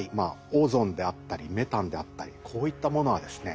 オゾンであったりメタンであったりこういったものはですね